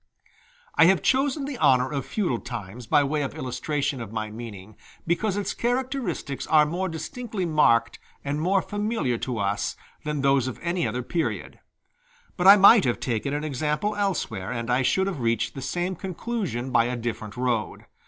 ] I have chosen the honor of feudal times by way of illustration of my meaning, because its characteristics are more distinctly marked and more familiar to us than those of any other period; but I might have taken an example elsewhere, and I should have reached the same conclusion by a different road.